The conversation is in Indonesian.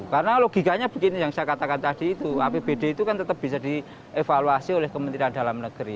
karena logikanya begini yang saya katakan tadi apbd itu kan tetap bisa dievaluasi oleh kementerian dalam negeri